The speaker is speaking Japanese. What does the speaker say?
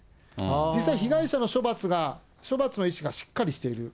実際、被害者の処罰の意思がしっかりしている。